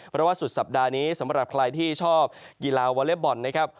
เพราะว่าสุดสัปดาห์นี้สำหรับใครที่ชอบกีฬาวอเล็กบอลนะครับ